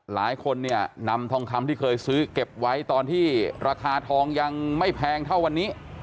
หลายคนเนี่ยนำทองคำที่เคยซื้อเก็บไว้ตอนที่ราคาทองยังไม่แพงเท่าวันนี้